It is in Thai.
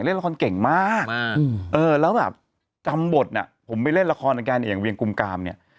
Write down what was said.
เล่นละครเก่งมากแล้วแบบจำบทน่ะผมไปเล่นละครของแกเนี่ยอย่างเวียงกุมกามเนี่ย